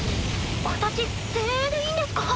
私前衛でいいんですか？